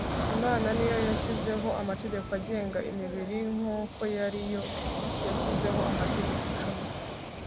imana ni yo yashyizeho amategeko agenga imibiri nk'uko ari yo yashyizeho amategeko cumi